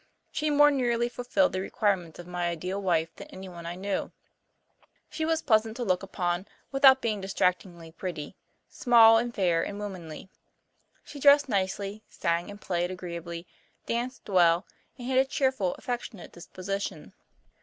She more nearly fulfilled the requirements of my ideal wife than anyone I knew. She was pleasant to look upon, without being distractingly pretty; small and fair and womanly. She dressed nicely, sang and played agreeably, danced well, and had a cheerful, affectionate disposition.